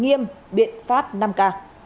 thêm biện pháp năm k